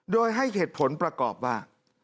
โดยให้เหตุผลประกอบว่า